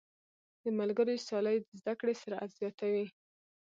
د ملګرو سیالۍ د زده کړې سرعت زیاتوي.